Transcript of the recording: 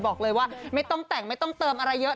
บอกเลยว่าไม่ต้องแต่งไม่ต้องเติมอะไรเยอะ